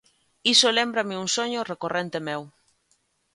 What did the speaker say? Iso lémbrame un soño recorrente meu.